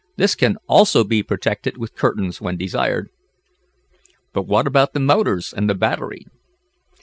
This can also be protected with curtains when desired." "But what about the motors and the battery?"